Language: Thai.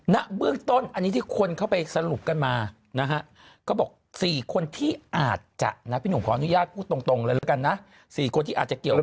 ณเบื้องต้นอันนี้ที่คนเข้าไปสรุปกันมานะฮะเขาบอก๔คนที่อาจจะนะพี่หนุ่มขออนุญาตพูดตรงเลยแล้วกันนะ๔คนที่อาจจะเกี่ยว